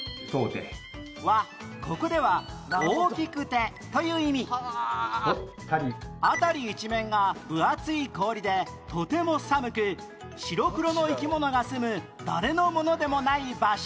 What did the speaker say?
はここでは「大きくて」という意味辺り一面が分厚い氷でとても寒く白黒の生き物が住む誰のものでもない場所